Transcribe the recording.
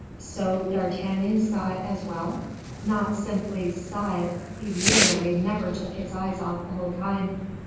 "So D'Artagnan saw it as well?" "Not simply saw it; he literally never took his eyes off the whole time."